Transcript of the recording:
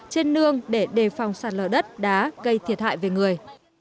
trên nương để đề phòng sạt lở đất đá gây thiệt hại về người